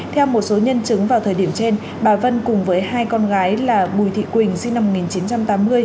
theo một số nhân chứng vào thời điểm trên bà vân cùng với hai con gái là bùi thị quỳnh sinh năm một nghìn chín trăm tám mươi